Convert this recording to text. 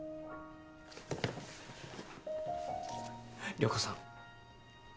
涼子さん。